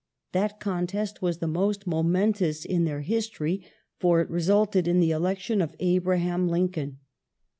That contest was the most momentous in their history, for it resulted in the election of Abra ham Lincoln.